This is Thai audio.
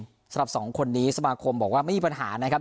สำหรับสองคนนี้สมาคมบอกว่าไม่มีปัญหานะครับ